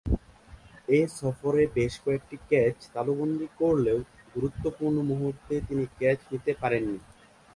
এ সফরে বেশ কয়েকটি ক্যাচ তালুবন্দী করলেও গুরুত্বপূর্ণ মুহুর্তে তিনি ক্যাচ নিতে পারেননি।